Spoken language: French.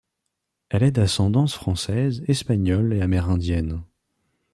Elle est d'ascendance française, espagnole et amérindienne.